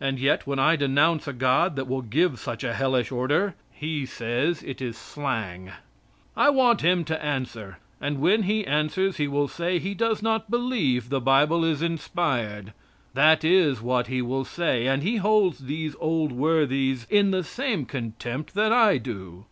And yet when I denounce a God that will give such a hellish order, he says it is slang. I want him to answer; and when he answers he will say he does not believe the Bible is inspired. That is what he will say, and he holds these old worthies in the same contempt that I do.